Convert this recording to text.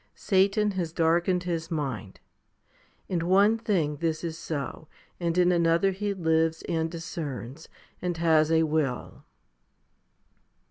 Satan has darkened his mind. In one thing this is so, and in another he lives and discerns, and has a will.